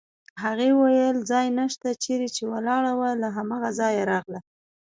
هغې وویل: ځای نشته، چېرې چې ولاړه وه له هماغه ځایه راغله.